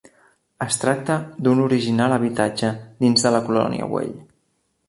Es tracta d'un original habitatge dins de la colònia Güell.